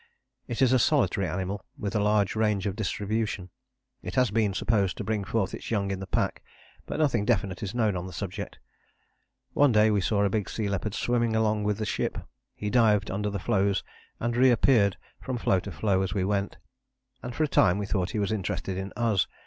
It is a solitary animal with a large range of distribution. It has been supposed to bring forth its young in the pack, but nothing definite is known on this subject. One day we saw a big sea leopard swimming along with the ship. He dived under the floes and reappeared from floe to floe as we went, and for a time we thought he was interested in us.